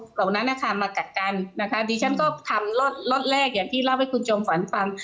เหล่านั้นนะคะมากักกันนะคะดิฉันก็ทำล็อตแรกอย่างที่เล่าให้คุณจอมฝันฟัง